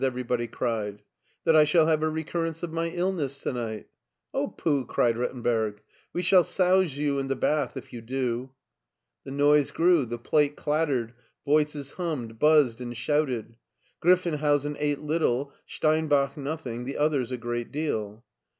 everybody cried. "That I shall have a recurrence of my illness to night" " Oh, pooh ! "cried Rittenberg, " we shall souse you in the bath if you do." The noise grew, the plate clattered, voices hummed, buzzed, and shouted. Griff enhousen ate little, Stein bach nothing, the others a great deal.